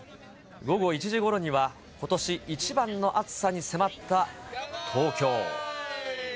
午後１時ごろにはことし一番の暑さに迫った東京。